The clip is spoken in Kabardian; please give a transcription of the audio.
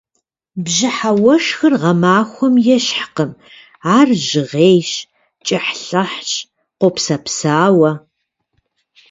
Бжьыхьэ уэшхыр гъэмахуэм ещхькъым, ар жьгъейщ, кӏыхьлӏыхьщ, къопсэпсауэ.